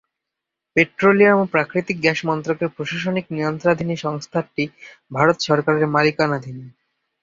Petroleum ও প্রাকৃতিক gas মন্ত্রকের প্রশাসনিক নিয়ন্ত্রণাধীন এই সংস্থাটি ভারত সরকারের মালিকানাধীন।